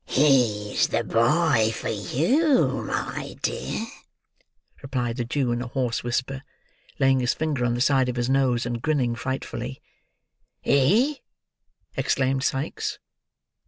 "He's the boy for you, my dear," replied the Jew in a hoarse whisper; laying his finger on the side of his nose, and grinning frightfully. "He!" exclaimed Sikes.